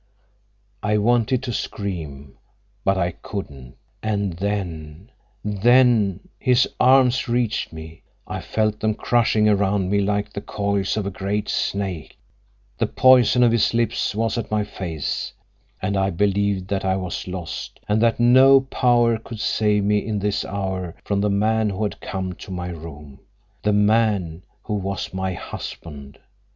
I wanted to scream, but I couldn't; and then—then—his arms reached me; I felt them crushing around me like the coils of a great snake; the poison of his lips was at my face—and I believed that I was lost, and that no power could save me in this hour from the man who had come to my room—the man who was my husband.